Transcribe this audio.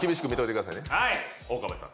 岡部さん。